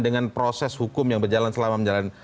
dengan proses hukum yang berjalan selama menjalani